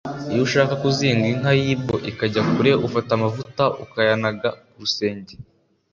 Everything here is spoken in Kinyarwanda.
Iyo ushaka kuzinga inka yibwe ngo itajya kure, ufata amavuta ukayanaga ku rusenge